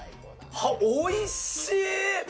おいしい！